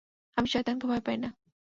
আমি শয়তানকে ভায় পাই না।